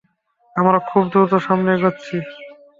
আমরা খুব দ্রুত সামনে এগোচ্ছি।